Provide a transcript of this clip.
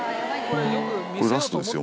これラストですよ